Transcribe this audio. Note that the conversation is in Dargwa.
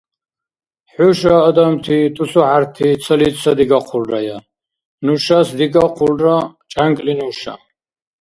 ХӀуша, адамти, тусухӀярти, цалис ца дигахъулрая, нушас дигахъулра чӀянкӀли нуша.